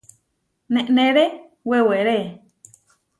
Neneré weweré.